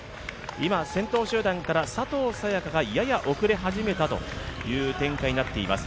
今、先頭集団から佐藤早也伽がやや遅れ始めたという展開になっています。